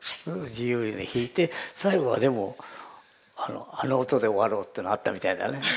自由に弾いて最後はでもあの音で終わろうっていうのはあったみたいだね。